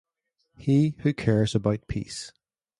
"He who cares about peace".